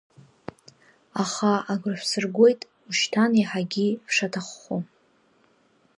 Аха, агәра шәсыргоит, ушьҭан еиҳагьы шәшаҭаххо!